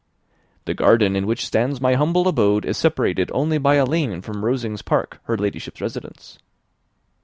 "The garden in which stands my humble abode is separated only by a lane from Rosings Park, her Ladyship's residence."